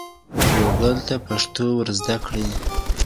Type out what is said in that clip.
ګوګل ته پښتو ور زده کړئ.